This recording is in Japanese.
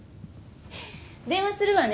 電話するわね。